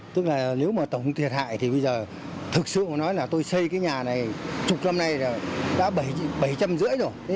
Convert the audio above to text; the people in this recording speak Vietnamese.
tức là nếu mà tổng thiệt hại thì bây giờ thực sự nói là tôi xây cái nhà này chục năm nay là đã bảy trăm linh rưỡi rồi